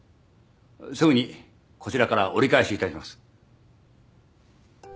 すぐにこちらから折り返しいたします。